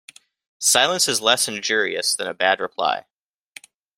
Silence is less injurious than a bad reply.